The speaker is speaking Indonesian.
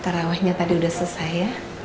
tarawahnya tadi udah selesai ya